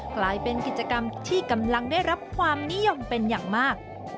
กลายเป็นกิจกรรมที่กำลังได้รับความนิยมเป็นอย่างมาก